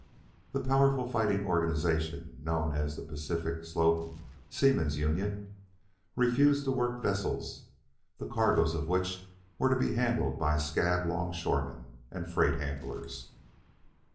The powerful fighting organization known as the Pacific Slope Seaman's Union refused to work vessels the cargoes of which were to be handled by scab longshoremen and freight handlers.